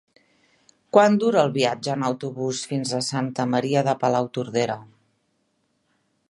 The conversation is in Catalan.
Quant dura el viatge en autobús fins a Santa Maria de Palautordera?